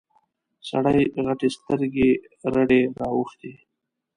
سړي غتې سترګې رډې راوختې.